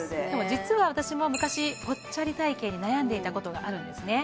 実は私も昔ぽっちゃり体形に悩んでいたことがあるんですね